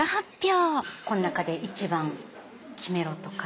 こん中で１番決めろとか。